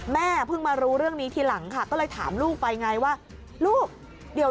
แม่เพิ่งมารู้เรื่องนี้ทีหลังค่ะก็เลยถามลูกไปไงว่าลูกเดี๋ยว